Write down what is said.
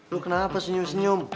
lo kenapa senyum senyum